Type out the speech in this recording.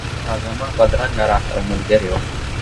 لازمه بدرګه راسره ملګرې وه.